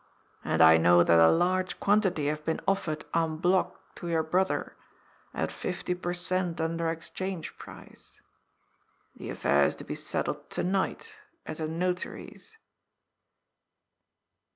And I know that a large quantity have been offered en bloc to your brother at 50 per cent, under Exchange price. The affair is to be settled to night, at a Notary's."